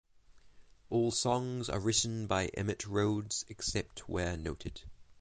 All songs are written by Emitt Rhodes except where noted.